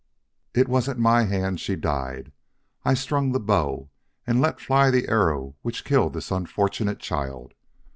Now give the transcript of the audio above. "It was at my hand she died. I strung the bow and let fly the arrow which killed this unfortunate child.